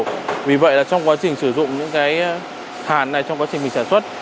nhiều chú sư vật sử dụng những hàn này trong quá trình sản xuất